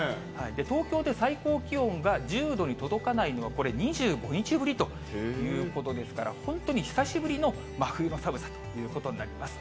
東京では最高気温が１０度に届かないのは、これ、２５日ぶりということですから、本当に久しぶりの真冬の寒さということになります。